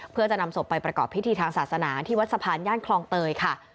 เพื่อจะนำศพไปประกอบพิธีทางศาสนาที่วัดสะพานย่านคลองเตยค่ะ